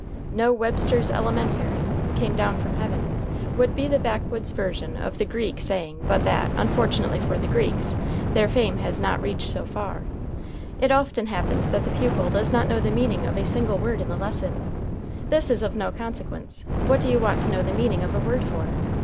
"'Know Webster's Elementary' came down from Heaven," would be the backwoods version of the 'Greek saying but that, unfortunately for the Greeks, their fame has not reached so far. It often happens that the pupil does not know the meaning of a single word in the lesson. This is of no consequence. What do you want to know the meaning of a word for?